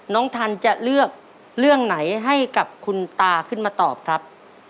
ท่านจะเลือกเรื่องไหนให้กับคุณตาขึ้นมาตอบครับ